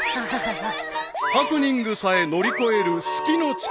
［ハプニングさえ乗り越える好きの力］